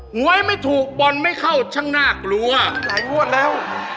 หวยไม่ถูกบอลไม่เข้าช่างน่ากลัวหลายงวดแล้ว